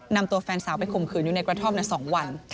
นำตัวแฟนสาวไปข่มขืนอยู่ในกระท่อม๒วัน